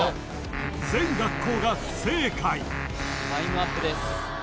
全学校が不正解タイムアップです